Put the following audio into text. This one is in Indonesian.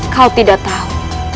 kau tidak tahu